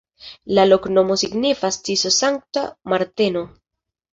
La loknomo signifas: Tiso-Sankta Marteno.